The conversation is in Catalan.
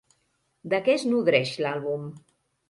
De què es nodreix l'àlbum?